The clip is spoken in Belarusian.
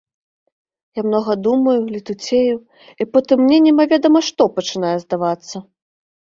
Я многа думаю, летуцею, і потым мне немаведама што пачынае здавацца.